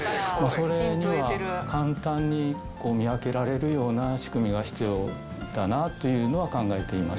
それには簡単に見分けられるような仕組みが必要だなというのは考えていました。